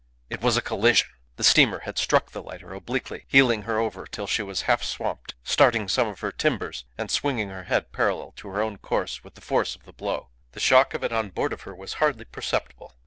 It was a collision! The steamer had struck the lighter obliquely, heeling her over till she was half swamped, starting some of her timbers, and swinging her head parallel to her own course with the force of the blow. The shock of it on board of her was hardly perceptible.